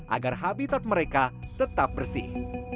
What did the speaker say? agar habitat mereka tetap bersih